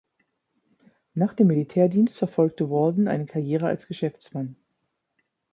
Nach dem Militärdienst verfolgte Walden eine Karriere als Geschäftsmann.